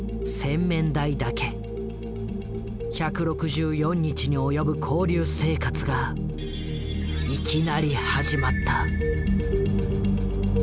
１６４日に及ぶ勾留生活がいきなり始まった。